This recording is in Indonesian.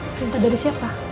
perintah dari siapa